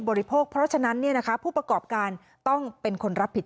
บริโภคเพราะฉะนั้นเนี่ยนะคะผู้ประกอบการต้องเป็นคนรับผิด